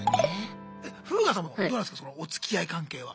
フーガさんはどうなんすかそのおつきあい関係は？